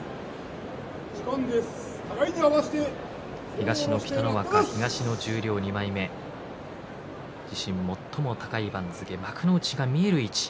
東の北の若は東の十両２枚目自身最も高い番付幕内が見える位置。